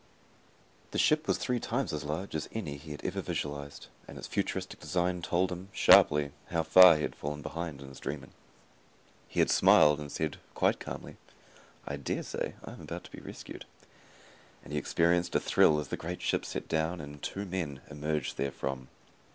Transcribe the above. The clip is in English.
The ship was three times as large as any he had ever visualized, and its futuristic design told him, sharply, how far he had fallen behind in his dreaming. He smiled and said, quite calmly, "I daresay I am about to be rescued." And he experienced a thrill as the great ship set down and two men emerged therefrom.